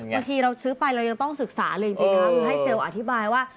บางทีเราซื้อไปเรายังต้องศึกษาเลยจริงนะคะคือให้เซลล์อธิบายว่า